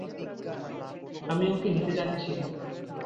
আমি ওকে নিতে যাচ্ছি।